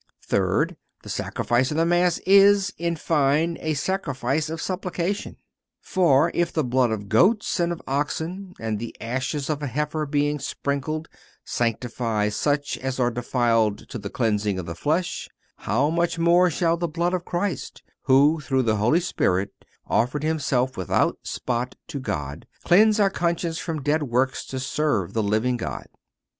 Third—The Sacrifice of the Mass is, in fine, a sacrifice of supplication: "For, if the blood of goats and of oxen, and the ashes of a heifer being sprinkled, sanctify such as are defiled to the cleansing of the flesh, how much more shall the blood of Christ, who, through the Holy Ghost, offered himself without spot to God, cleanse our conscience from dead works to serve the living God?"